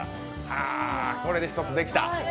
はー、これで一つできた。